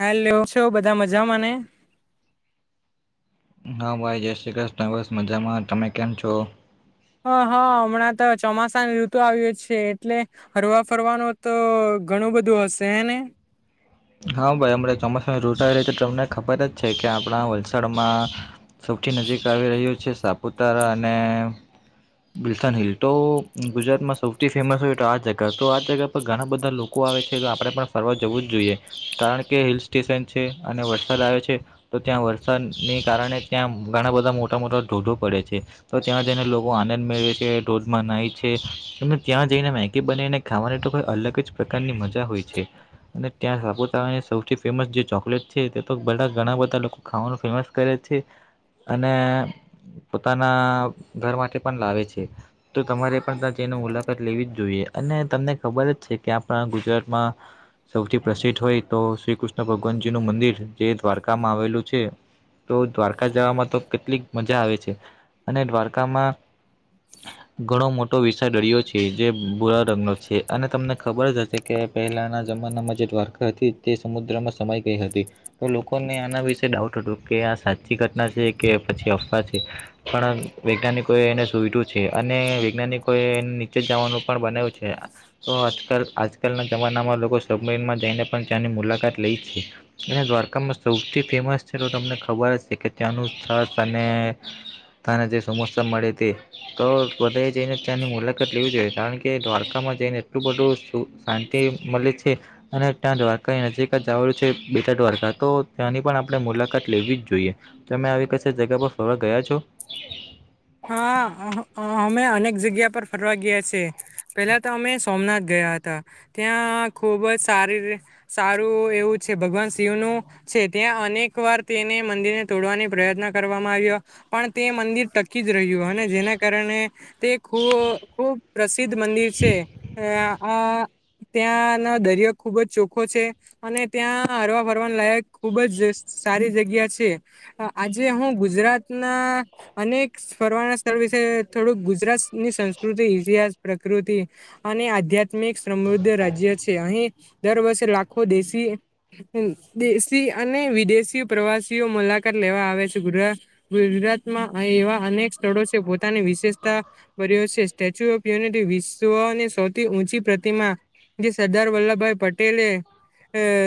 હ કેમ છો બધા મજામાંને હા ભાઈ જય શ્રી કૃષ્ણ મજામાં તમે કેમ છો હ હા હમણાં તો ચોમાસાની ઋતુ આવ્યો છે એટલે ફરવા ફરવાનું તો ઘણું બધું હશે ને હા ભાઈ અમ ચોમાસાની ઋતુ રહી છે તમને ખબર જ છે કે આપણા વલસાડમાં સોવથી નજીક આવી રહ્યું છે સાપુતારા અને બલસન હિલ તો ગુજરાતમાં સૌથી ફેમસ હોય તો આ જગ્યા તો આ જગ્યા પર ઘણા બધા લોકો આવે છે તો આપણે પણ ફરવા જવું જ જોઈએ કારણ કે હિલ સ્ટેશન છે અને વરસાદ આવે છે તો ત્યાં વરસાદને કારણે ત્યાં ઘણા બધા મોટા મોટા ધોધો પડે છે તો ત્યાં જને લોકો આનંદ મેળવે છે ધોધમાં નાહી છે તને ત્યાં જઈને મેગી બનાવીને ખાવાની તો કોઈ અલગ જ પ્રકારની મજા હોય છે અને ત્યાં સાપુતાની સૌથી ફેમસ જે ચોકલેટ છે તે તો બા ઘણા બધા લોકો ખાવાનું ફેમસ કરે છે અને પોતાના ઘર માટે પણ લાવે છે તો તમારે પણ મુલાકાત લેવી જ જોઈએ અને તમને ખબર જ છે કે આપણા ગુજરાતમાં સૌથી પ્રસિદ્ધ હોય તો શ્રી કૃષ્ણ ભગવાનજી નું મંદિર જે દ્વારકામાં આવેલું છે તો દ્વારકા જવામાં તો કેટલીક મજા આવે છે અને દ્વારકામાં ઘણો મોટો વિષાડ દરિયો છે જે ભૂરા રંગનો છે અને તમને ખબર જ હશે કે પહેલાના જ જે દ્વારકા હતી તે સમુદ્રમાં સમાઈ ગઈ હતી તો લોકોને આના વિશે ડાઉટ હતો કે આ સાચી ઘટના છે કે પછી અફવા છે પણ વૈજ્ઞાનિકોએ એને સુઈધ્યું છે અને વૈજ્ઞાનિકોએ નીચે જવાનું પણ બનાવ્યું છે તો આજકાલના જમાનામાં લોકો સબમેરીનમાં જઈને પણ ત્યાંની મુલાકાત લઈ છે અને દ્વારકામાં સૌથી ફેમસ છે તો તમને ખબર ત્યાનું છાસ અને સમોસા મળેતે જઈને તંની મુલાકાત લેવી જોઈએ કારણ કે દ્વારકામાં જઈને એટલું બધું શાંતિ મળે છે છે અને ત્યાં દ્વારકાની નજીક જ આવેલું છે બેટદ્વારકા તો ત્યાંની પણ આપણે મુલાકાત લેવી જોઈએ. જોઈએ તમે આવી કશે જગ્યા પર ફરવા ગયા છો?? હા. હા અમે અનેક જગ્યા પર ફરવા ગયા છીએ પહેલાં તો અમે સોમનાથ ગયા હતા ત્યાં ખુબ જ સ સારું એવું છે ભગવાન શિવનુ છે ત્યાં અનેક વાર તેને મંદિરને તોડવાની પ્રયત્ન કરવામાં આવ્યો પણ તે મંદિર જ રહ્યું અને જેના કારણે તે ખૂબ પ્રસિદ્ધ મંદિર છે. આ ત્યાંનો દરિયો ખુબ જ ચોખો છે અને ત્યાં હરવા ફરવા લાયક ખુબ જ સારી જગ્યા છે. આજે હું ગુજરાતના અનેક ફરવા સ્થળ વિશે થોડુંક ગુજરાતની સંસ્કૃતિ, ઇતિહાસ, પ્રકૃતિ અને આધ્યાત્મિક આ્યાત્મિક સમૃદ્ધ રાજ્ય છે. અહીં દર વર્ષે લાખો દેશી દેશી દેશી અને વિદેશી પ્રવાસીઓ મુલાકાત લેવા આવે છે. ગુજરાતમાં એવા અનેક સ્થળો છે પોતાની વિશેષતા બર્યો છે. સ્ટેચ્યુ ઓફ યુનિટી વિશ્વની સૌથી ઊંચી પ્રતિમા જે સરદાર વલ્લભભાઈ પટેલે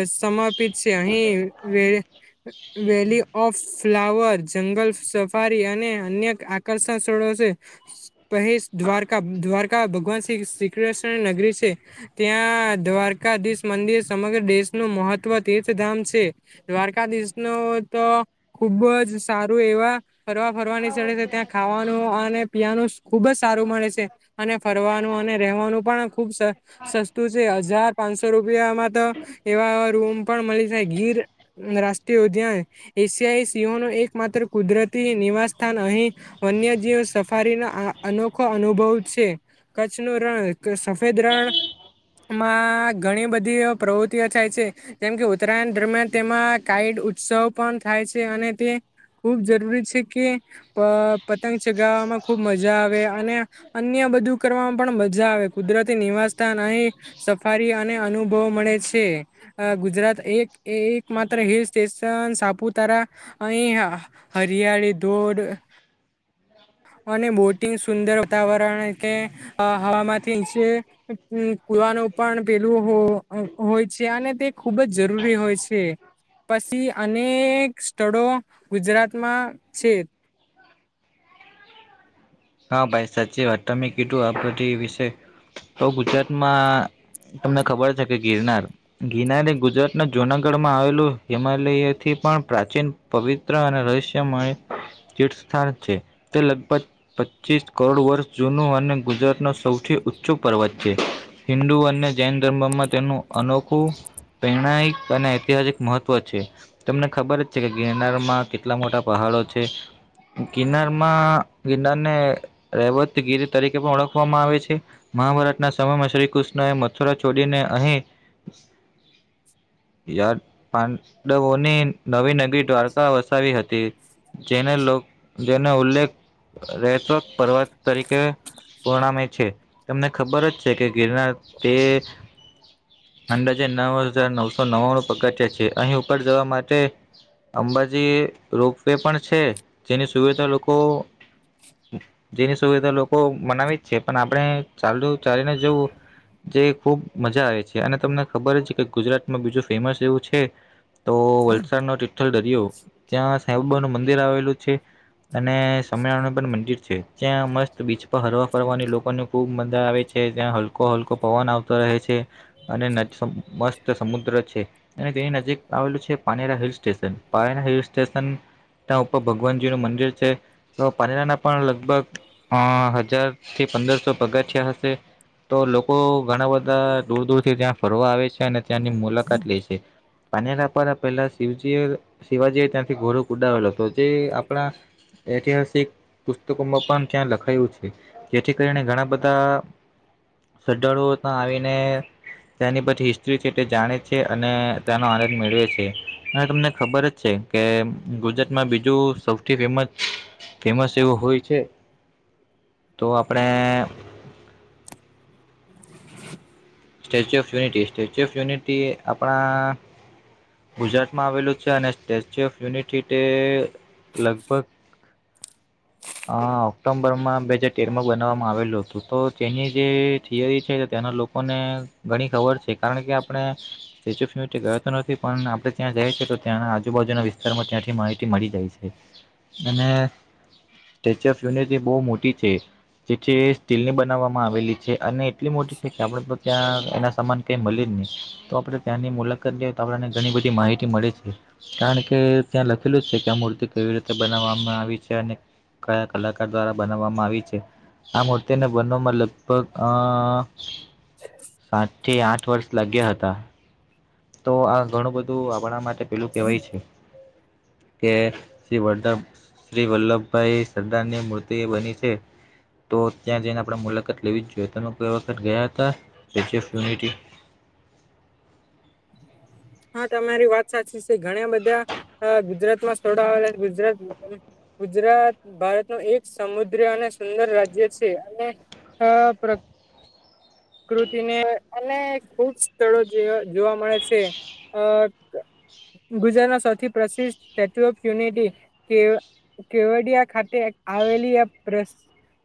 સમર્પિત છે અહીં વે વેલી ઓફ ફ્લાવર જંગલ સફારી અને અન્ય આકર્ષણ સ્થળો છે. પહે દ્વારકા ભગવાન શ્રી શ્રીકૃષ્ણ નગરી છે. ત્યાં દ્વારકાધીશ મંદિર સમગ્ર દેશનું મહત્વ તીર્થધામ છે દ્વારકાધીશ ન તો ખુબ જ સારું એવા ફરવા ફરવાની છે દ્વારકાધીશ ત્યાં ખાવાનું અને પીવાનું ખુબ જ સારું મળે છે અને ફરવાનું અને રહેવાનું પણ ખુબ સસ્તું છે હજાર પાંચસો રૂપિયામાં તો એવા રૂમ પણ મળી જાય. ગીર રાષ્ટ્રીય ઉદ્યાન એશિયાઈ સિંહોનો એકમાત્ર કુદરતી નિવાસ સ્થાન. અહી વન્યજીવ સફારીનો અનોખો અનુભવ છે. કચ્છ નું રણ સફેદ રણ માં ઘણી બધી પ્રવૃતિઓ થાય છે. જેમ કે ઉત્તરાયણ દરમિયાન તેમાં કાઈટ ઉત્સવ પણ થાય છે અને તે ખૂબ જરૂરી છે કે પતંગ ચગાવવામાં ખુબ મજા આવે અને અન્ય બધું કરવામાં પણ મજા આવે. કુદરતી નિવાસ સ્થાન અહી સફારી અને અનુભવ મળે છે. ગુજરાત એક એક માત્ર હિલ સ્ટેશન સાપુતારા અહી હરિયાળી ચોડ અને બોટિંગ સુંદર વાતાવરણ કે હવામાંથી નીચે કુવાનું પણ પેલું હોય છે અને તે ખૂબ જ જરૂરી હોય છે પછી અનેક સ્થળો ગુજરાતમાં છે. [unintelligible] હા ભાઈ સાચી વાત તમે કીધું આ બધી વિશે તો ગુજરાતમાં તમને ખબર છે કે ગિરનાર ગિરનાર એ ગુજરાત ના જુનાગઢ માં આવેલું હિમાલયથી પણ પ્રાચીન પવિત્ર અને રહસ્યમય તીર્થસ્થાન છે. તે લગભગ પચીસ કરોડ વર્ષ જૂનું અને ગુજરાતનુ સૌથી ઊંચું પર્વત છે. હિન્દુ અને જૈન ધર્મમાં તેનું અનોખું પ્રેણાયિક અને ઐતિહાસિક મહત્વ છે. તમને ખબર જ છે કે ગિરનારમાં કેટલા મોટા પહાડ છે ગિરનારમાં ગિરનારને રેવત ગીર તરીકે પણ ઓળખવામાં આવે છે મહાભારતના સમયમાં શ્રીકૃષ્ણ મથુરા ચોડીને અહીં પાંડવોની નવી નગરી દ્વારકા વસાવી હતી જેને લોક જેનો ઉલ્લેખ રહેશક પર્વત તરીકે પરણામે છે તમને ખબર જ છે કે ગિરનાર તે અંદાજે નવ હજાર નવસો નવાણું પગટ્યા છે અહીં ઉકળ જવા માટે અંબાજી રોપ વે પણ છે જેની સુવિધા લોકો જેની સુવિધા લોકો મનાવી જ છે પણ આપણે ચાલું ચાલીને જોવું જે ખૂબ મજા આવે છે અને તમને ખબર જ કે ગુજરાતમાં બીજું ફેમસ એવું છે તો વલસાડ ન તિ્ઠલ દરિયો ત્યાં બ નું મંદિર આવેલું છે અને સમ મંદિર છે જ્યાં મસ્ત બીચ પર હરવા ફરવાની લોકોને ખુબ મજા આવે છે જ્યાં હલકો હલકો પવાન આવ રહે છે અને મસ્ત સમુદ્ર છે અને તેની નજીક આવેલું છે પાણી [unintelligible] હિલ સ્ટેશન [unintelligible] હિલ સ્ટેશન ના ઉપર ભગવાનજી નું મંદિર છે.. પાનીરાના પણ લગભગ અ હજાર થી પંદરસો પગાઠિયા હશે. તો લોકો ઘણા બધા દૂર દૂરથી ત્યાં ફરવા આવે છે અને ત્યાંની મુલાકાત લે છે. પાનેરા [unintelligible] પહેલા શિવજી શવાજી એ ત્યાંથી [unintelligible] ઉડાવેલો હતો જે આપણા. ઐતિહાસિક. પુસ્તકોમાં પણ ત્યાં લખાયું છે. [unintelligible] આવીને તેની પછી હિસ્ટ્રી છે, તે જાણે છે, અને તેનો આનંદ મેળવે છે, અને તમને ખબર જ છે. કે ગુજરાતમાં બીજું સૌથી ફેમસ. ફેમસ એવું હોય છે, તો આપણે. [unintelligible] Statue of unity statue of unity આપણા. ગુજરાતમાં આવેલું છે, અને સ્ટેચ્યુ ઓફ યુનિટી તે લગભગ. [unintelligible] અ ઓક્ટો્બરમાં બે હાજાર તેર માં બનાવવામાં આવેલું હતું તો તેની જે થિયરી છે, તેના લોકોને ઘણી ખબર છે, કારણ કે આપણે સ્ટેચ્યુ ઓફ યુનિટી ગયો તો નથી પણ આપણે. ત્યાં જાય છે, તો ત્યાંના આજુબાજુના વિસ્તારમાં ત્યાંથી માહિતી મળી જાય છે, અને. સ્ટેચ્યુ ઓફ યુનિટી બહુ મોટી છે, જેથી સ્ટીલની બનાવવામાં આવેલી છે, અને. [inaudible] ત્યાં એનાં સામાન [unintelligible] જ [unintelligible] તો આપણે ત્યાંની મુલાકાત જઈએ તો આપણને ઘણી બધી માહિતી મળે છે. કારણ કે ત્યાં લખેલું છે, કે આ મૂર્તિ કેવી રીતે બનાવવામાં આવી છે, અને. કયા કલાકાર દ્વારા બનાવવામાં આવી છે, આ મૂર્તિને બનાવામાં લગભગ અ સાત થી આઠ વર્ષ લાગ્યા હતા. તો આ ઘણું બધું આપણા માટે પેલું કેવાય છે. કે [unintelligible] શ્રી વલ્લભભાઈ સરદારની મૂર્તિ બની છે. તો ત્યાં જઈને આપણે મુલાકાત લેવી જ જોઈએ તમેઈ વખત ગયા હતા સ્ટેચ્યુ ઓફ યુનિટી. [unintelligible] હા તમારી વાત. [unintelligible] બધા ગુજરાતમાં [unintelligible] ગુજરાત. ભારત ન એક સમુદ્ર અને સુંદર રાજ્ય છે, અને આ કૃતિને અને ખુબ સ્થળો [unintelligible] જોવા મળે છે. ગુજરાતના સૌથી પ્રસિદ્ધ સ્ટેચ્યુ ઓફ યુનિટી કે કેવડિયા,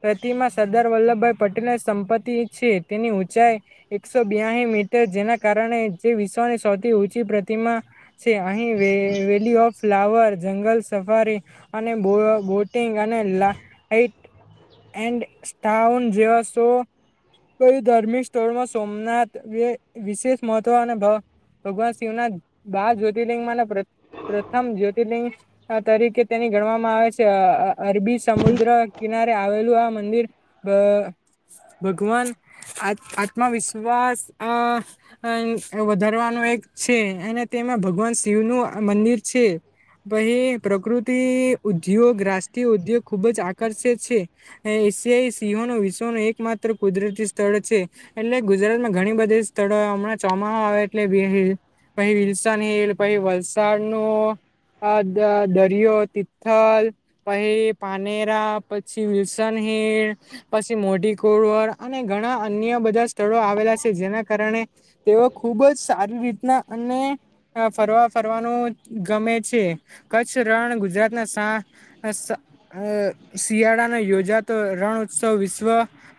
પ્રતિમા સરદાર વલ્લભભાઈ પટેલ સંપત્તિ છે, તેની ઊંચાઈ એકસો બ્યાસી મી જેના કારણે જે વિશ્વની સૌથી ઊંચી પ્રતિમા છે, અહીં વેલી ઓફ ફ્લાવર જંગલ સફારી અને બોટિંગ અને [unintelligible] એન્ડ. [unintelligible] ધાર્મિક સ્થળોમાં સોમનાથ વિશેષ મહત્વ અને ભ ભગવાન શિવના બાર જ્યોતિર્લિંગ માંના પ પ્રથમ જ્યોતિર્લિંગ તરીકે તેની. કરવામાં આવે છે, અ અરબી સમુદ્ર કિનારે આવેલું આ મંદિર ભ ભગવાન આ આત્મવિશ્વાસ આ [unintelligible] વધારવાનો એક છે, અને તેમાં ભગવાન શિવ નું મંદિર છે. [unintelligible] પ્રકૃતિ ઉદ્યોગ રાષ્ટ્રીય ઉદ્યોગ ખુબ જ આકર્ષિત છે. એશિયાઈ સિંહો નો વિશ્વન એક માત્ર કુદરતી સ્થળ છે, એટલે ગુજરાતમાં ઘણી બધી સ્થળ હમણાં ચોમા આવે એટલે બેહે પહી વિલસન હિલ પહી વલસાડનુ [unintelligible] દરિયો તિથલ પહી પાનેરા પછી વિલસન હીણ પછી મોઢી કોરવર અને ઘણા અન્ય બધા સ્થળો આવેલા છે, જેના કારણે તેઓ ખુબ જ સારી રી [unintelligible] અને ફરવા ફરવાનું ગમે છે, કચ્છ રણ ગુજરાતના સા અ શિયાળાને યોજાતો રણ ઉત્સવ વિશ્વ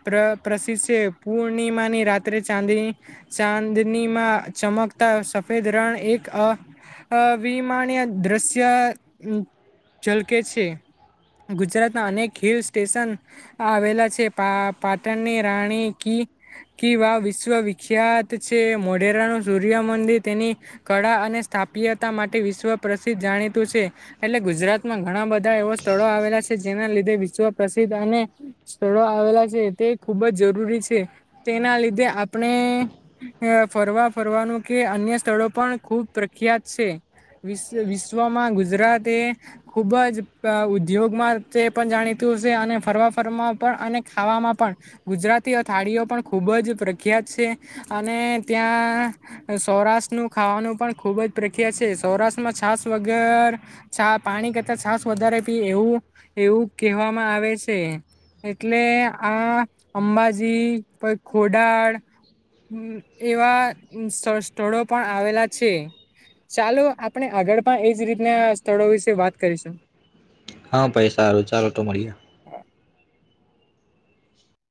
પ્ર પ્રસિદ્ધ છે, પૂર્ણિમાની રાત્રે ચાદી ચાંદનીમાં ચમક તા સફેદ રણ એક અ અવિમાણીય દૃશ્ય ચલકે છે ગુજરાતમાં અનેક હિલ સ્ટેશન આવેલા છે, પા પાટણની રાણી કી કી વાવ વિશ્વ વિખ્યાત છે, મોઢેરાનુ સુર્ય સૂ્ય મંદિર તેની કળા અને સ્થાપ્યતા માટે વિશ્વ પ્રસિદ્ધ જાણીતું છે, એટલે ગુજ ગુજરાતમાં ઘણા બધા એવા સ્થળો આવેલા છે, જેના લીધે વિશ્વ પ્રસિદ્ધ અને સ્થળો આવેલા છે. તે ખુબ જ જરૂરી છે, તેના લીધે આપણે અ ફરવા ફરવાનું કે અન્ય સ્થળો પણ ખુબ પ્રખ્યાત છે. વિશ વિશ્વમાં ગુજરાત એ ખુબ જ અ ઉદ્યોગમાં તે પણ જાણીતું અને ફરવા ફરવા પણ અને ખાવામાં પણ ગુજરાતી થાળીઓ પણ ખુબ જ પ્રખ્યાત છે, અને ત્યાં સૌરાષ્ટ્ર નું ખાવાનું પણ ખુબ જ પ્રખ્યાત છે, સૌરાષ્ટ્રમાં છાસ વગર છા પાણી કરતા છાસ વધારે પી એવું એવું કહેવામાં આવે છે, એટલે આ અંબાજી પ ખોડાળ એવા સ સ્થળો પણ આવેલા છે. ચાલો આપણે આગળ પણ એજ રીતના સ્થળો વિશે વાત કરીશું. હા, ભાઈ સારું ચાલો તો મળીએ